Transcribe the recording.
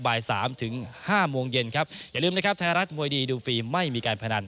บ่ายสามถึงห้าโมงเย็นครับอย่าลืมนะครับไทยรัฐมวยดีดูฟรีไม่มีการพนัน